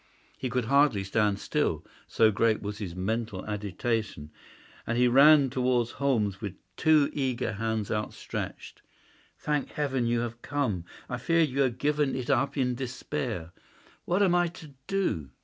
He could hardly stand still, so great was his mental agitation, and he ran towards Holmes with two eager hands outstretched. "Thank Heaven that you have come! I feared that you had given it up in despair. What am I to do?